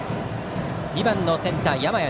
２番のセンター、山家。